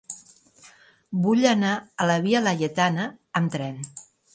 Vull anar a la via Laietana amb tren.